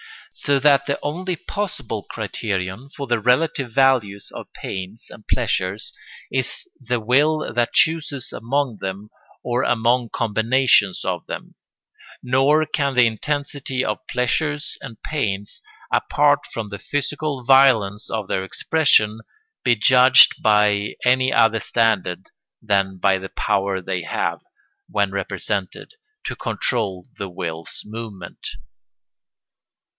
So that the only possible criterion for the relative values of pains and pleasures is the will that chooses among them or among combinations of them; nor can the intensity of pleasures and pains, apart from the physical violence of their expression, be judged by any other standard than by the power they have, when represented, to control the will's movement.